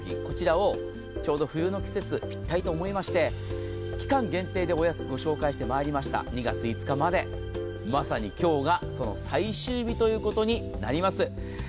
こちらをちょうど冬の季節、ぴったりと思いまして期間限定でお安く御紹介してまいりました、２月５日まで、まさに今日がその最終日ということなります。